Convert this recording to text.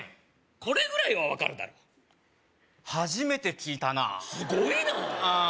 これぐらいは分かるだろ初めて聞いたなすごいなああ